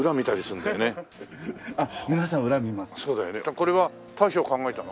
これは大将考えたの？